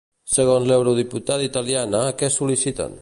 Segons l'eurodiputada italiana, què sol·liciten?